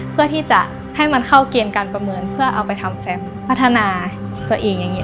เพื่อที่จะให้มันเข้าเกณฑ์การประเมินเพื่อเอาไปทำแฟมพัฒนาตัวเองอย่างนี้